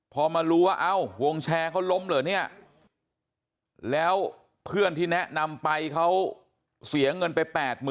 พอมารู้ว่าเอ้างงแชร์เขาล้มเหรอเนี่ยแล้วเพื่อนที่แนะนำไปเขาเสียเงินไป๘๐๐๐